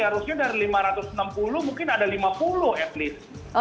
harusnya dari lima ratus enam puluh mungkin ada lima puluh at least